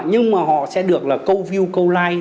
nhưng mà họ sẽ được là câu view câu like